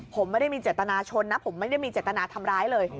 ผมไม่ได้มีเจตนาชนนะผมไม่ได้มีเจตนาทำร้ายเลย